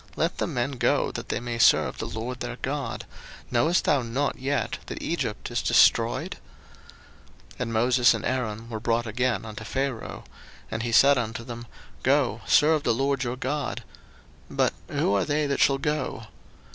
let the men go, that they may serve the LORD their God: knowest thou not yet that Egypt is destroyed? 02:010:008 And Moses and Aaron were brought again unto Pharaoh: and he said unto them, Go, serve the LORD your God: but who are they that shall go?